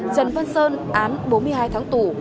trần văn sơn án bốn mươi hai tháng tù